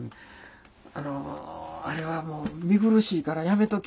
「あのあれはもう見苦しいからやめとき。